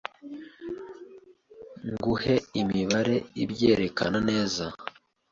nguhe imibare ibyerekana neza